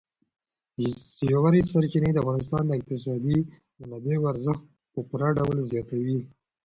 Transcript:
ژورې سرچینې د افغانستان د اقتصادي منابعو ارزښت په پوره ډول زیاتوي.